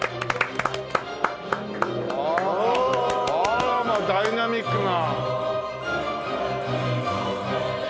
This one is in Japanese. あらまダイナミックな。